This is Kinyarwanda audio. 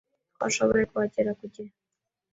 Twashoboye kuhagera ku gihe.